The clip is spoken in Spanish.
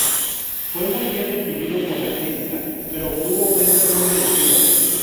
Fue muy bien recibido por la crítica, pero obtuvo ventas muy reducidas.